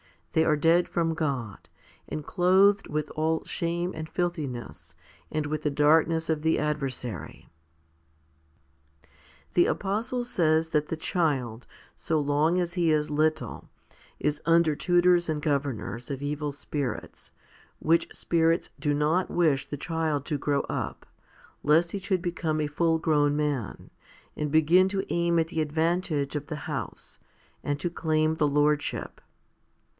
They are dead from God, and clothed with all shame and filthi ness and with the darkness of the adversary. 3. The apostle says that the child, so long as he is little, is under tutors and governors 2 of evil spirits, which spirits do not wish the child to grow up, lest he should become a full grown man, and begin to aim at the advantage of the house, and to claim the lordship.